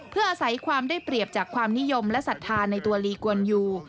เพื่ออาศัยความได้เปรียบจากความนิยมและศรัทธาในตัวลีกวนยู